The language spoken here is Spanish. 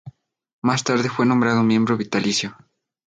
Más tarde fue nombrado miembro vitalicio.